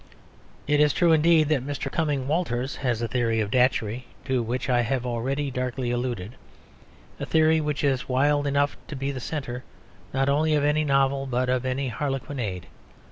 It is true indeed that Mr. Cumming Walters has a theory of Datchery (to which I have already darkly alluded) a theory which is wild enough to be the centre not only of any novel but of any harlequinade.